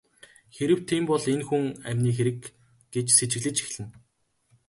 Хэрэв тийм бол энэ хүн амины хэрэг гэж сэжиглэж эхэлнэ.